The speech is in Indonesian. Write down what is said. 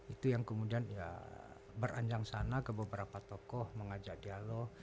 itu yang kemudian ya beranjang sana ke beberapa tokoh mengajak dialog